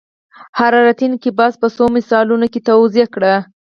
حرارتي انقباض په څو مثالونو کې توضیح کړئ.